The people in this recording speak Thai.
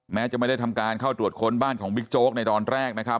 แม้จะไม่ได้ทำการเข้าตรวจค้นบ้านของบิ๊กโจ๊กในตอนแรกนะครับ